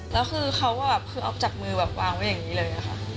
แล้วคือเขาแบบคือเอาจากมือแบบวางไว้อย่างนี้เลยค่ะ